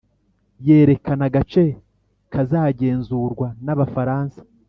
yerekana agace kazagenzurwa n Abafaransa